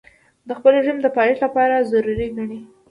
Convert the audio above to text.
د خپل رژیم د پایښت لپاره ضرور ګڼي.